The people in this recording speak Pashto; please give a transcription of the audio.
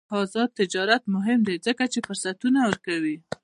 آزاد تجارت مهم دی ځکه چې فرصتونه ورکوي.